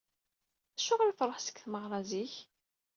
Acuɣer i tṛuḥ seg tmeɣra zik?